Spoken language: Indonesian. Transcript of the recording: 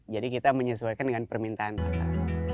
jadi kita menyesuaikan dengan permintaan pasar